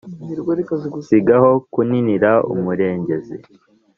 sigaho kuninira umurengezi